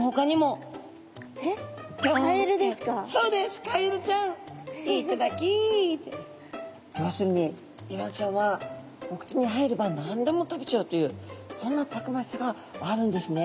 要するにイワナちゃんはお口に入れば何でも食べちゃうというそんなたくましさがあるんですね。